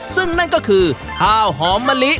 ซึ่งนั่นก็คือข้าวหอมมะลิ